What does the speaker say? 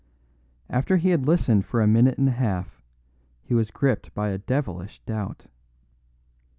After he had listened for a minute and a half, he was gripped by a devilish doubt.